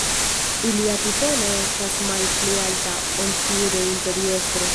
Ilia titolo estas malpli alta ol tiu de imperiestro.